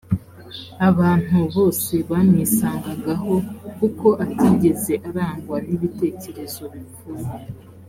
abantu bose bamwisangagaho kuko atigeze arangwa n’ibitekerezo bipfuye